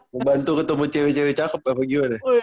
membantu ketemu cewek cewek cakep atau gimana